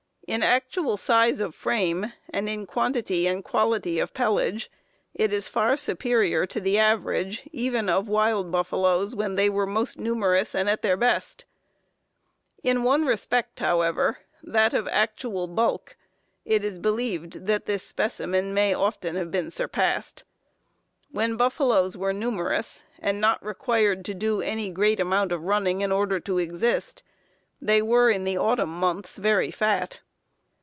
In actual size of frame, and in quantity and quality of pelage, it is far superior to the average, even of wild buffaloes when they were most numerous and at their best. In one respect, however, that of actual bulk, it is believed that this specimen may have often been surpassed. When buffaloes were numerous, and not required to do any great amount of running in order to exist, they were, in the autumn months, very fat.